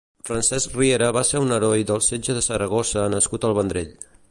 Francesc Riera va ser un heroi del setge de Saragossa nascut al Vendrell.